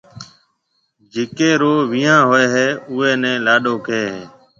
جيڪيَ رو ويهان هوئي هيَ اوئي نَي لاڏو ڪهيَ هيَ۔